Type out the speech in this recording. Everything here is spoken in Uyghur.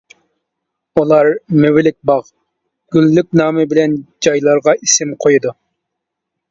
ئۇلار مېۋىلىك باغ، گۈللۈك نامى بىلەن جايلارغا ئىسىم قويىدۇ.